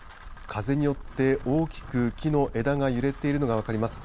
風によって大きく木の枝が揺れているのが分かります。